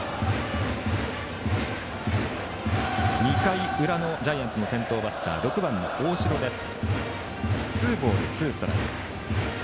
２回裏のジャイアンツの先頭バッターは６番の大城です。